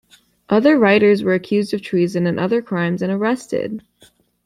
Other writers were accused of treason, and other "crimes", and arrested.